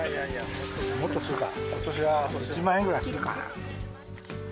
もっとするか、ことしは１万円ぐらいするか。